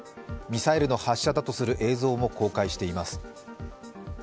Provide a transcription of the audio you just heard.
ミサイルの発射だとする映像も公開しています。